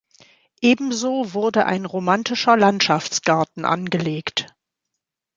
Ebenso wurde ein romantischer Landschaftsgarten angelegt.